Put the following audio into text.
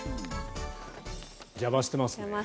邪魔してますね。